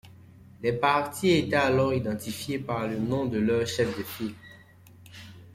Les partis étaient alors plutôt identifiés par le nom de leur chef de file.